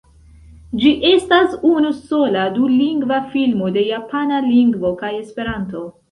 Ĝi estas unu sola dulingva filmo de japana lingvo kaj esperanto.